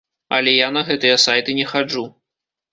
Але я на гэтыя сайты не хаджу.